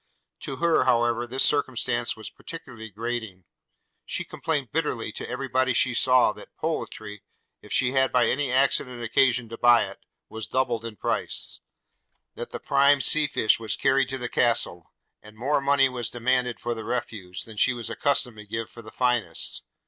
To her, however, this circumstance was particularly grating. She complained bitterly to every body she saw, that poultry, if she had by any accident occasion to buy it, was doubled in price; that the prime sea fish was carried to the Castle; and more money was demanded for the refuse, than she was accustomed to give for the finest.